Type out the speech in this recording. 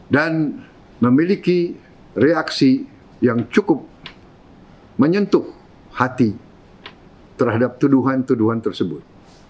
dan memiliki reaksi yang cukup menyentuh hati terhadap tuduhan tuduhan tersebut